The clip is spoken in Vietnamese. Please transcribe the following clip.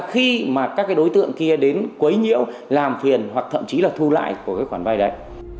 khi mà các cái đối tượng kia đến quấy nhiêu làm phiền hoặc thậm chí là thu lại của cái khoản vay đấy